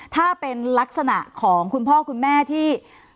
ถ้าเป็นลักษณะของคุณพ่อคุณแม่ที่